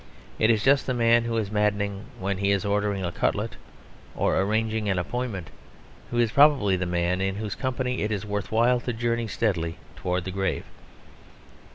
It is just the man who is maddening when he is ordering a cutlet or arranging an appointment who is probably the man in whose company it is worth while to journey steadily towards the grave.